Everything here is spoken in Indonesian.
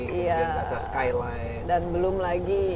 baca skyline dan belum lagi